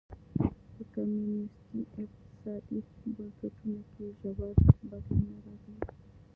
په کمونېستي اقتصادي بنسټونو کې ژور بدلونونه راغلي.